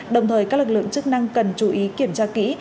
đồng thời các lực lượng chức năng cần chú ý kiểm tra kỹ